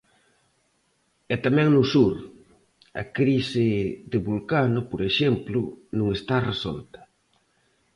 E tamén no sur: a crise de Vulcano, por exemplo, non está resolta.